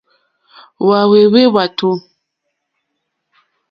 Hwáhwɛ̂hwɛ́ hwàtò.